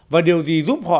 và điều gì giúp họ